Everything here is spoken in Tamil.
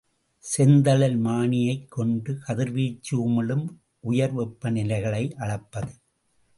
செந்தழல் மானியைக் கொண்டு கதிர்வீச்சு உமிழும் உயர்வெப்பநிலைகளை அளப்பது.